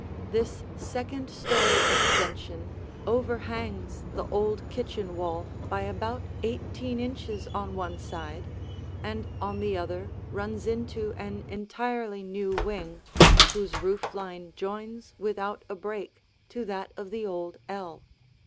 This second story extension overhangs the old kitchen wall by about eighteen inches on one side and on the other runs into an entirely new wing, whose roof line joins without a break to that of the old ell.